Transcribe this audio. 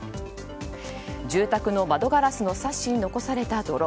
住宅の窓ガラスのサッシに残された泥。